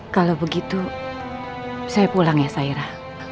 kalau begitu saya pulang ya sairah